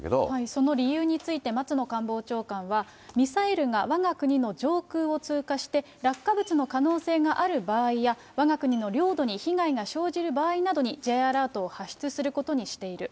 その理由について松野官房長官は、ミサイルがわが国の上空を通過して、落下物の可能性がある場合や、わが国の領土に被害が生じる場合などに、Ｊアラートを発出することにしている。